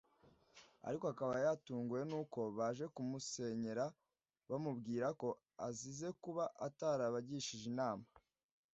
ariko akaba yatunguwe n’uko baje kumusenyera bamubwira ko azize kuba atarabagishije inama